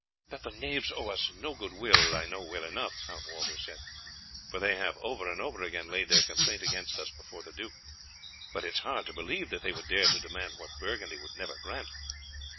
"That the knaves owe us no good will I know well enough," Count Walter said, "for they have over and over again laid their complaint against us before the duke; but it is hard to believe that they would dare to demand what Burgundy would never grant."